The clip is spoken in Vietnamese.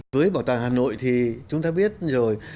với bảo tàng hà nội thì chúng ta biết rồi